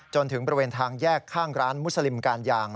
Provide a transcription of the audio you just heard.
จนถึงบริเวณทางแยกข้างร้านมุสลิมการยาง